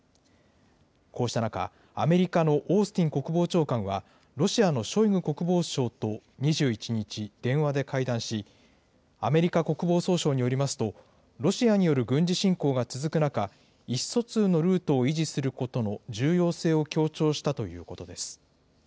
こうした中、アメリカのオースティン国防長官は、ロシアのショイグ国防相と２１日、電話で会談し、アメリカ国防総省によりますと、ロシアによる軍事侵攻が続く中、意思疎通のルートを維持することの重要性を強調したということです。